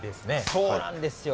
そうなんですよ。